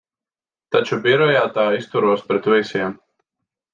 Taču birojā tā izturos pret visiem.